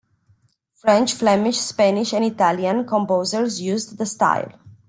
French, Flemish, Spanish and Italian composers used the style.